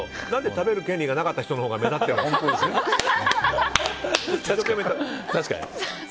食べる権利がなかった人のほうが目立っているんですか。